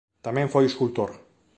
Tamén foi escultor.